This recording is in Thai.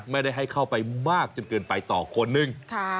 ไม่ได้ให้เข้าไปมากจนเกินไปต่อคนนึง